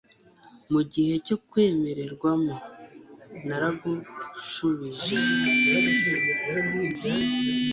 mu gihe cyo kwemererwamo naragushubije